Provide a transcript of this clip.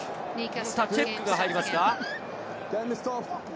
チェックが入りますか。